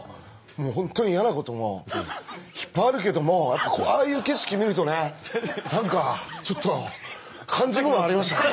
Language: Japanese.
本当に嫌なこともいっぱいあるけどもああいう景色見るとね何かちょっと感じるものありましたね。